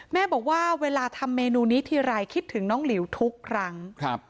แม่บอกว่าเวลาทำเมนูนี้ทีไรคิดถึงน้องหลิวทุกครั้ง